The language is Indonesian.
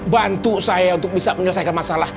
bantu saya untuk bisa menyelesaikan masalah